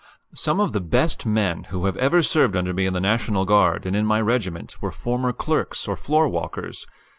Some of the best men who have ever served under me in the National Guard and in my regiment were former clerks or floor walkers.